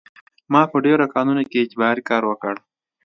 ما په ډېرو کانونو کې اجباري کار وکړ